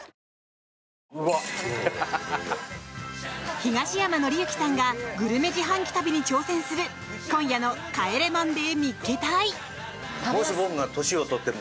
東山紀之さんがグルメ自販機旅に挑戦する今夜の「帰れマンデー見っけ隊！！」。